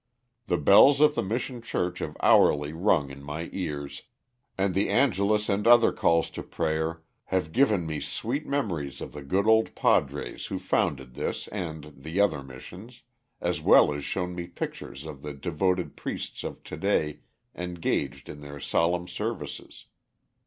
The bells of the Mission Church have hourly rung in my ears, and the Angelus and other calls to prayer have given me sweet memories of the good old padres who founded this and the other missions, as well as shown me pictures of the devoted priests of to day engaged in their solemn services.